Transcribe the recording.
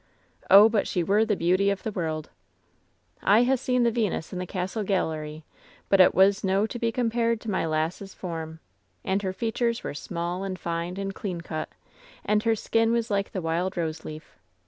"Oh, but she were the beauty of the world ! "I ha'e seen the Venus in the castle gallery, but it was no to be compared to my lass' form. And her fea tures were small and fine and clean cut, and her skin was like the wild rose leaf.